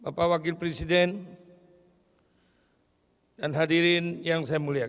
bapak wakil presiden dan hadirin yang saya muliakan